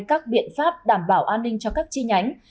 các biện pháp đảm bảo an ninh cho các chi nhánh